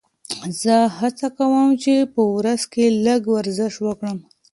زه هڅه کوم چې په ورځ کې لږ ورزش وکړم.